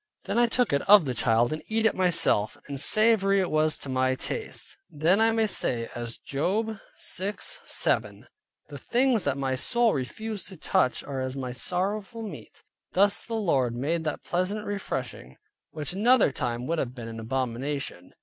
Then I took it of the child, and eat it myself, and savory it was to my taste. Then I may say as Job 6.7, "The things that my soul refused to touch are as my sorrowful meat." Thus the Lord made that pleasant refreshing, which another time would have been an abomination.